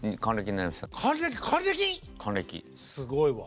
すごいわ。